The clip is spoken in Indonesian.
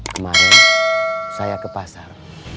kemarin saya ke pasar